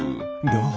どう？